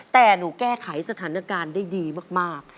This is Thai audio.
แต่หนูแก้ไขสถานการณ์ได้ดีมาก